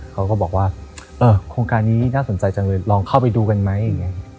เขาก็บอกว่าเออโครงการนี้น่าสนใจจังเลยลองเข้าไปดูกันไหมอย่างนี้